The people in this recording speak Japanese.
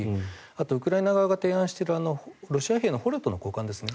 あとウクライナ側が提案しているロシア兵の捕虜との交換ですね。